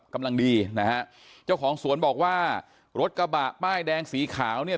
กำลังดีนะฮะเจ้าของสวนบอกว่ารถกระบะป้ายแดงสีขาวเนี่ย